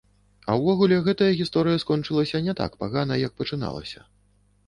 А ўвогуле гэтая гісторыя скончылася не так пагана як пачыналася.